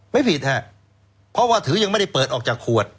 ไม่ผิดฮะเพราะว่าถือยังไม่ได้เปิดออกจากขวด